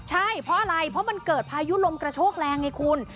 ใช่เพราะอะไรเพราะมันเกิดพายุลมกระโชกแรงไงคุณ